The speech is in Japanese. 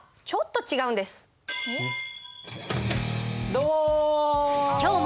どうも！